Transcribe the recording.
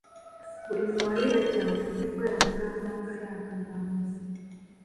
Buli muwala eyajjanga ku dduuka yamugambangayo akagambo.